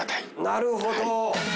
なるほど。